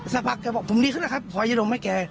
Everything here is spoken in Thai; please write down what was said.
สักพักแกบอกผมดีขึ้นแล้วครับถอยจะดมให้แก